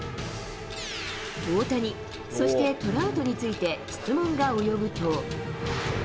大谷、そしてトラウトについて質問が及ぶと。